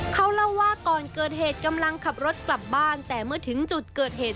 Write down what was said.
เขาเล่าว่าก่อนเกิดเหตุกำลังขับรถกลับบ้านแต่เมื่อถึงจุดเกิดเหตุ